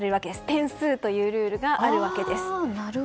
点数というルールがあるわけです。